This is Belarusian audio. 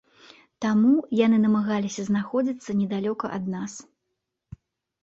Таму, яны намагаліся знаходзіцца недалёка ад нас.